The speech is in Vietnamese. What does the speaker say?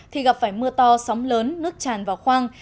thì gặp phải mưa to sóng lớn nước tràn vào khoang